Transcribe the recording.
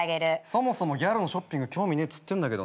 そもそもギャルのショッピング興味ねえっつってんだけどな。